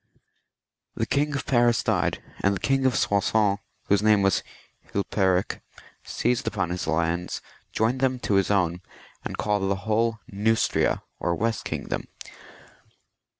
The King of Paris died, and the King of Soissons, whose name was Hilperik, seized upon his lands, joined them to his own, and called the whole Neustria, or west kingdom.